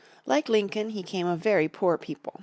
Like Lincoln, he came of very poor people.